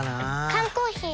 缶コーヒー